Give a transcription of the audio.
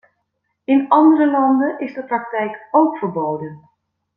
In andere landen is de praktijk ook verboden.